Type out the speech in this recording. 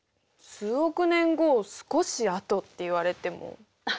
数億年後を「少しあと」って言われても。